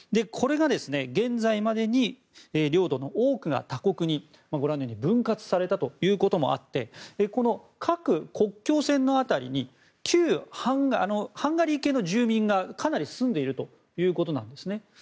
これが現在までに領土の多くが他国に、ご覧のように分割されたということもあってこの各国境線の辺りにハンガリー系の住民がかなり住んでいるということなんですね。